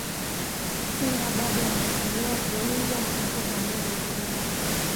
simba bado wanaendelea kuwindwa wanapovamia mifugo